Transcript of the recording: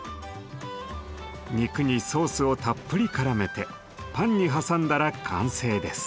肉にソースをたっぷりからめてパンに挟んだら完成です。